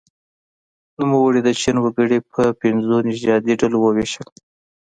نوموړي د چین وګړي په پنځو نژادي ډلو وویشل.